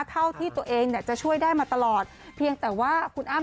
เท่าที่ตัวเองเนี่ยจะช่วยได้มาตลอดเพียงแต่ว่าคุณอ้ำ